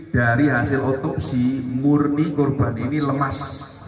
dari hasil otopsi murni korban ini lemas